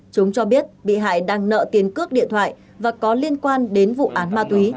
chúng cho biết bị hại đang nợ tiền cước điện thoại và có liên quan đến vụ án ma túy